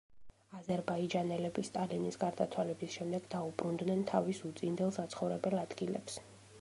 აზერბაიჯანელები სტალინის გარდაცვალების შემდეგ დაუბრუნდნენ თავის უწინდელ საცხოვრებელ ადგილებს.